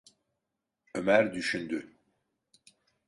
Ömer düşündü.